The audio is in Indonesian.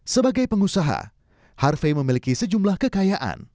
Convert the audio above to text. sebagai pengusaha harvey memiliki sejumlah kekayaan